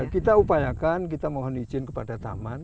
kita upayakan kita mohon izin kepada taman